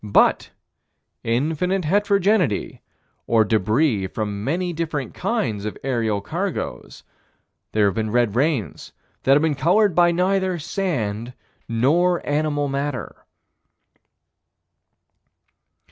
But infinite heterogeneity or débris from many different kinds of aerial cargoes there have been red rains that have been colored by neither sand nor animal matter.